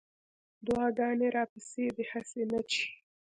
دعاګانې راپسې دي هسې نه چې